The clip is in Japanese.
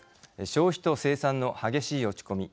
消費と生産の激しい落ち込み。